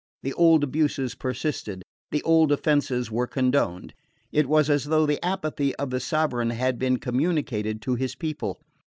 The old abuses persisted, the old offences were condoned: it was as though the apathy of the sovereign had been communicated to his people.